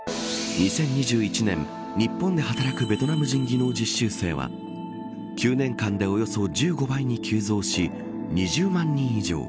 ２０２１年、日本で働くベトナム人技能実習生は９年間でおよそ１５倍に急増し２０万人以上。